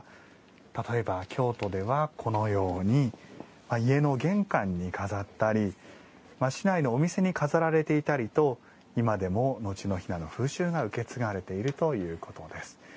例えば、京都ではこのように家の玄関に飾ったり市内のお店に飾られていたりと今でも後の雛の風習が受け継がれているということです。